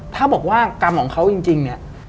ถ้าบอกว่ากรรมของเขาจริง